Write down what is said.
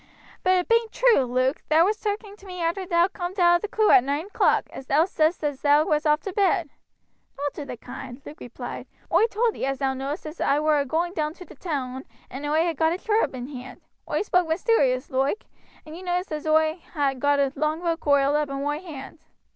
"But it bain't true, Luke? Thou wast talking to me arter thou coom'd out of the Coo at noine o'clock, an thou saidst as thou was off to bed." "Nowt of the koind," Luke replied. "Oi told ye, thou know'st, as I wer a going down to t' toon and oi had got a job in hand. Oi spoke mysterous loike, and you noticed as how oi had got a long rope coiled up in moi hand."